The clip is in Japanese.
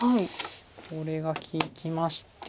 これが利きまして。